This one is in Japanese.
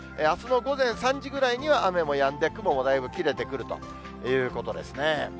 あすの午前３時ぐらいには雨もやんで、雲もだいぶ切れてくるということですね。